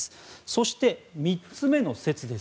そして、３つ目の説。